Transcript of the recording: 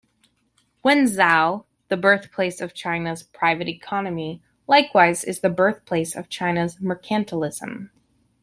Wenzhou, the birthplace of China's private economy, likewise is the birthplace of China's Mercantilism.